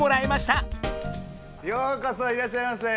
ようこそいらっしゃいませ！